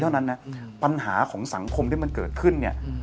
แต่ก็หากปัญหาของสรรคมก็เกิดขึ้น